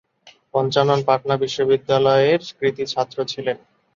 পঞ্চানন পাটনা বিশ্ববিদ্যালয়ের কৃতি ছাত্র ছিলেন।